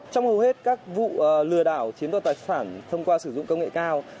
trong hầu hết các vụ lừa đảo chiếm đoạt tài sản thông qua sử dụng công nghệ cao